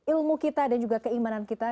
ilmu kita dan juga keimanan kita